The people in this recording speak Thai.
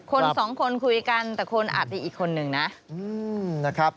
คนสองคนคุยกันแต่คนอัดลัวอีกคนนึงนะ